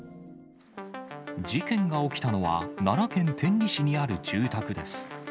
事件が起きたのは奈良県天理市にある住宅です。